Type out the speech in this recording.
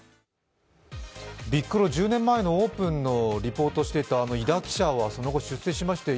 ビックロ、１０年前のオープンのリポートしてた、井田記者はその後出世しまして